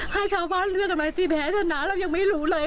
ถ้าชาวบ้านเลือกกันมาสิแพ้ชนะเรายังไม่รู้เลย